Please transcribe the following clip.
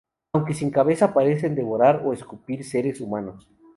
Aunque sin cabeza parecen devorar o escupir seres humanos.